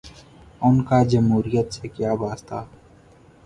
ان کا جمہوریت سے کیا واسطہ۔